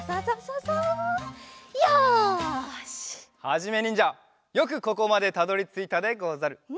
はじめにんじゃよくここまでたどりついたでござる。